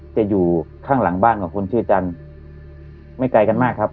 จะอยู่ข้างหลังบ้านของคนชื่อจันทร์ไม่ไกลกันมากครับ